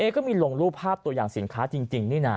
ก็มีลงรูปภาพตัวอย่างสินค้าจริงนี่นะ